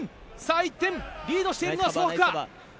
１点、リードしているのはソ・ハクア。